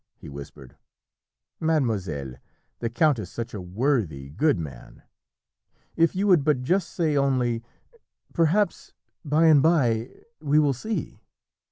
he whispered "mademoiselle, the count is such a worthy, good man. If you would but just say only, 'Perhaps by and by we will see.'"